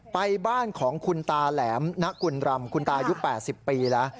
ไปบ้านของคุณตาแหลมณกุลรำคุณตายุค๘๐ปีแล้ว